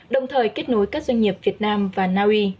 đồng thời kết nối các doanh nghiệp việt nam và naui